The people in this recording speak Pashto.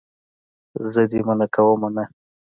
زه دې منع کومه نه.